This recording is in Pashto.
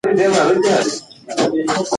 د مشرانو ادب او کشرانو باندې شفقت زموږ کلتور دی.